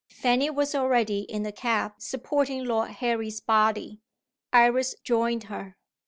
Fanny was already in the cab supporting Lord Harry's body. Iris joined her.